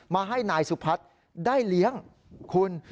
มาให้นายสุพัฒน์ได้เลี้ยงคุณ